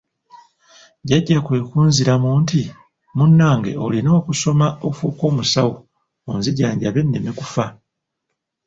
Jjajja kwe kunziramu nti: "Munnange olina okusoma ofuuke omusawo onzijanjabe nneme kufa."